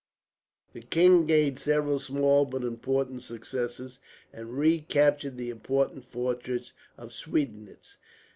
The king gained several small but important successes, and recaptured the important fortress of Schweidnitz.